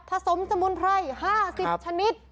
ผสมสมุนไพรห้าสิบชนิด